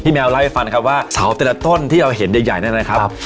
แมวเล่าให้ฟังครับว่าเสาแต่ละต้นที่เราเห็นใหญ่นั่นนะครับ